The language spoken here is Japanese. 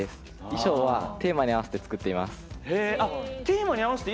衣装はテーマに合わせて作っています。